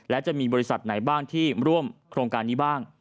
และจะมีบริษัทไหนบ้างที่ร่วมโครงการนี้บ้าง